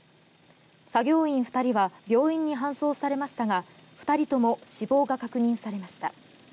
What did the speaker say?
作業員２人は病院に搬送されましたが２人とも死亡が確認されました。